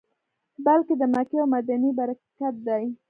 بلکې د مکې او مدینې برکت دی.